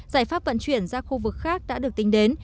giải pháp vận chuyển ra khu vực khác đã được tính đến